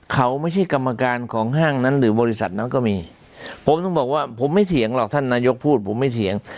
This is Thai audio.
เขาไม่ใช่กรรมการของห้างนั้นหรือบริษัทนั้นก็มีผมต้องบอกว่าผมไม่เถียงหรอกท่านนายกพูดผมไม่เถียง